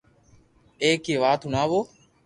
ايڪ ھي وات ھڻاو